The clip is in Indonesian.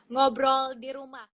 ngobrol di rumah